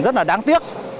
rất là đáng tiếc